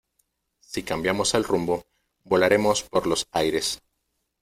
si cambiamos el rumbo, volaremos por los aires.